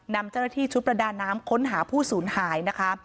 นำเจราะที่ชุดประดาน้ำค้นหาผู้ศูนย์หายนะคะ